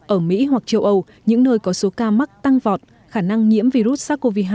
ở mỹ hoặc châu âu những nơi có số ca mắc tăng vọt khả năng nhiễm virus sars cov hai